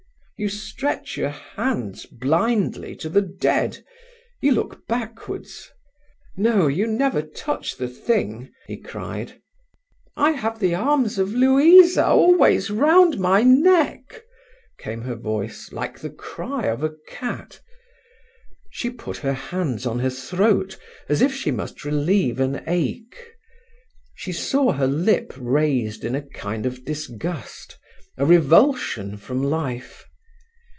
"You stretch your hands blindly to the dead; you look backwards. No, you never touch the thing," he cried. "I have the arms of Louisa always round my neck," came her voice, like the cry of a cat. She put her hands on her throat as if she must relieve an ache. He saw her lip raised in a kind of disgust, a revulsion from life.